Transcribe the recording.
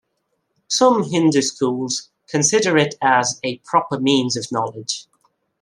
Some Hindu schools consider it as a proper means of knowledge.